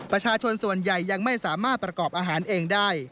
ประชาชนส่วนใหญ่ยังไม่สามารถประกอบอาหารเองได้